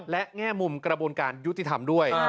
และแง่มุมกระบวนการยุติธรรมด้วย